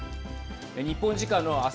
日本時間の明日